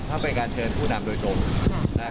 คือตามกฎิกาแล้วเนี่ยเพื่อการเชิญผู้นำโดยสวม